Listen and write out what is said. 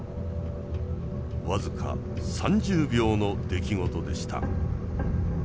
僅か３０秒の出来事でした。